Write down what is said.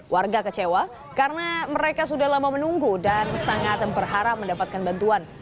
warga kecewa karena mereka sudah lama menunggu dan sangat berharap mendapatkan bantuan